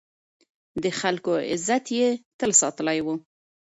د خلکو عزت يې تل ساتلی و.